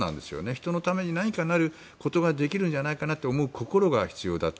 人のために何かなることができるんじゃないかなと思う心が必要だと。